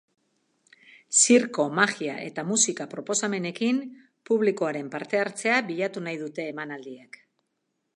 Zirko, magia eta musika proposamenekin, publikoaren parte-hartzea bilatu nahi dute emanaldiek.